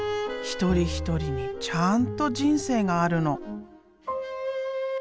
一人一人にちゃんと人生があるの。